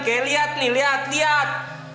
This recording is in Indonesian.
kayak liat nih liat liat